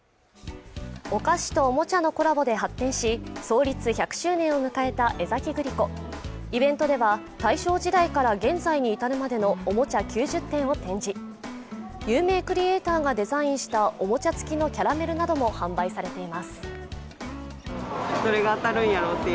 お菓子とおもちゃのコラボで発展し創立１００周年を迎えた江崎グリコイベントでは大正時代から現在に至るまでのおもちゃ９０点を展示有名クリエイターがデザインしたおもちゃ付きのキャラメルなども販売されています